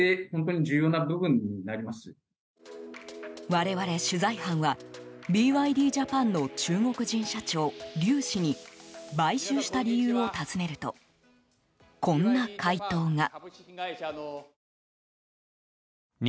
我々、取材班はＢＹＤジャパンの中国人社長リュウ氏に買収した理由を尋ねるとこんな回答が。